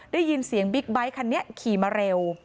ได้ยินเสียงบิ๊กไบท์คันนี้ขี่มาเร็ว